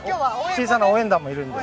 小さな応援団もいるんで。